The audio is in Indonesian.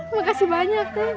makasih banyak tuh